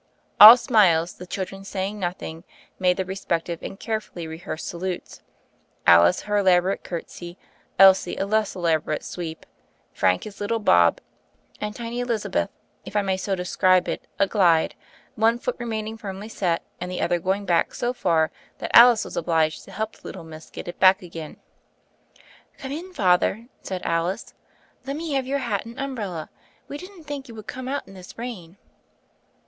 All smiles, the children, saying nothing, made their respective and carefully rehearsed salutes: Alice, her elaborate curtsy, Elsie, a less elabo rate sweep, Frank, his little bob, and tiny Eliza beth, if I may so describe it, a glide — one foot remaining firmly set and the other going back THE FAIRY OF THE SNOWS 77 90 far that Alice was obliged to help the little miss get it back again. "Come in, Father," said Alice. "Let me have your hat and umbrella. We didn't think you would come out in this rain.'